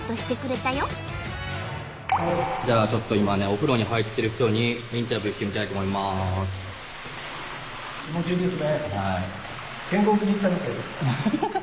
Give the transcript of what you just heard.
じゃあちょっと今ねお風呂に入ってる人にインタビューしてみたいと思います。